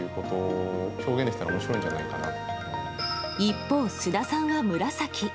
一方、菅田さんは紫。